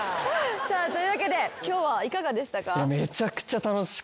さあというわけで今日はいかがでしたか？